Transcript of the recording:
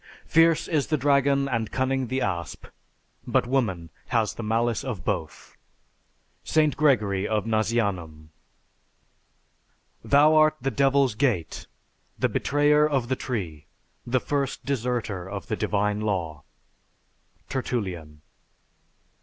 _Fierce is the dragon and cunning the asp; but woman has the malice of both. ST. GREGORY OF NAZIANZUM. Thou art the devil's gate, the betrayer of the tree, the first deserter of the Divine Law. TERTULLIAN.